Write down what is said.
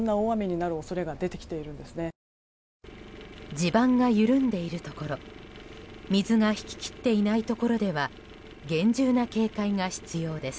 地盤が緩んでいるところ水が引ききっていないところでは厳重な警戒が必要です。